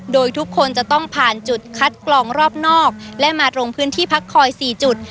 โดยทุกคนจะต้องผ่านจุดคัดกรองรอบนอกและมาตรงพื้นที่พักคอย๔จุด